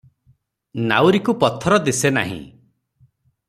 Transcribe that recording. ନାଉରୀକୁ ପଥର ଦିଶେନାହିଁ ।